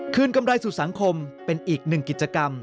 กำไรสู่สังคมเป็นอีกหนึ่งกิจกรรม